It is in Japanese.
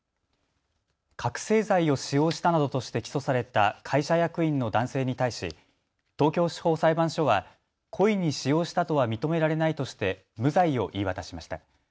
覚醒剤を使用したなどとして起訴された会社役員の男性に対し東京地方裁判所は故意に使用したとは認められないとして無罪を言い渡しました。